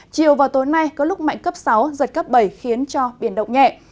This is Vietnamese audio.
chiều vào tối nay có lúc mạnh cấp sáu giật cấp bảy khiến cho biển động nhẹ